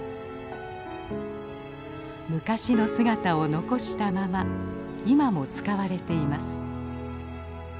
昔の姿を残したまま今も使われています。